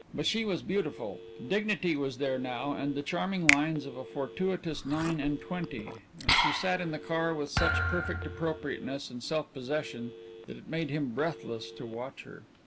But she was beautiful; dignity was there now, and the charming lines of a fortuitous nine and twenty; and she sat in the car with such perfect appropriateness and self possession that it made him breathless to watch her.